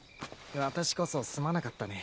わたしこそすまなかったね。